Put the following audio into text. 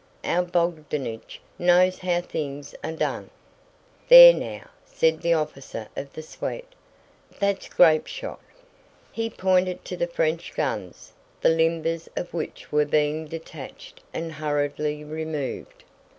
Our Bogdánich knows how things are done." "There now!" said the officer of the suite, "that's grapeshot." He pointed to the French guns, the limbers of which were being detached and hurriedly removed.